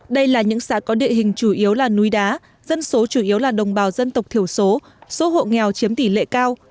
đây là những xã có địa hình chủ yếu là núi đá dân số chủ yếu là đồng bào dân tộc thiểu số số hộ nghèo chiếm tỷ lệ cao